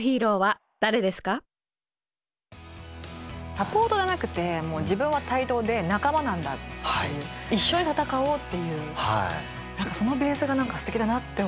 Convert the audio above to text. サポートじゃなくて自分は対等で仲間なんだっていう一緒に闘おうっていう何かそのベースがすてきだなって思いましたね。